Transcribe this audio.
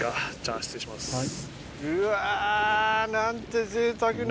何て。